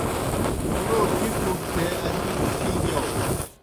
مُلو پِھیْ پُھوٹ تھے ادِیؤ اُتِھی گِیاؤ۔